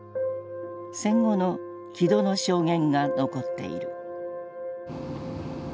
戦後の木戸の証言が残っている。